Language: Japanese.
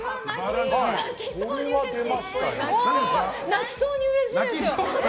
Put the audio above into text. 泣きそうにうれしいですよ。